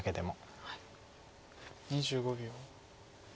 ２５秒。